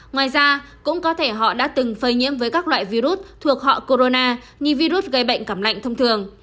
ngoài ra cũng có thể họ đã từng phơi nhiễm với các loại virus thuộc họ corona corona như virus gây bệnh cảm lạnh thông thường